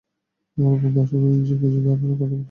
আমার বন্ধু আসলে নিজের কিছু ধারণার কথা ব্যক্ত করছে শুধু।